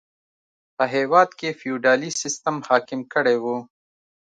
په هېواد کې فیوډالي سیستم حاکم کړی و.